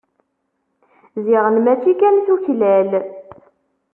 Ziɣen mačči kan tuklal.